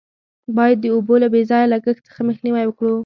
باید د اوبو له بې ځایه لگښت څخه مخنیوی وکړو.